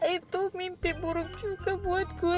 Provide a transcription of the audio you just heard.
itu mimpi buruk juga buat gue